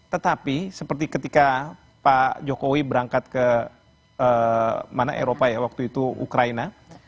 tetapi seperti ketika pak jokowi berangkat ke mana eropa ya waktu itu ukraina